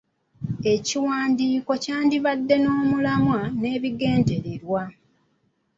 Ekiwandiiko kyandibadde n'omulamwa n'ebigendererwa.